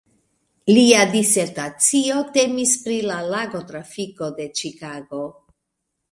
Lia disertacio temis pri la lagotrafiko de Ĉikago.